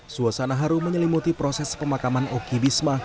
suasana haru menyelimuti proses pemakaman oki bisma